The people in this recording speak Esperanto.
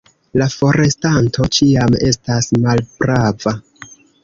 La forestanto ĉiam estas malprava.